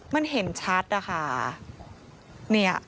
มันเห็นชัดอ่ะค่ะนี่อ่ะ